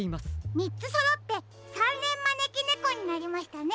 みっつそろってさんれんまねきねこになりましたね。